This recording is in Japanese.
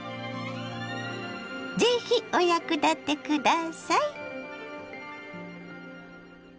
是非お役立て下さい。